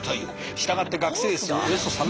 従って学生数およそ３万人。